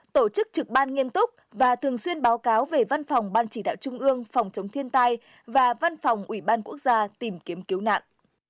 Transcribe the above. tổ chức trực ban nghiêm túc và thường xuyên báo cáo về văn phòng ban chỉ đạo trung ương phòng chống thiên tai và văn phòng ủy ban quốc gia tìm kiếm cứu nạn